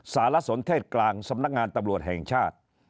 สารสนเทศกลางสำนักงานตำรวจแห่งชาติ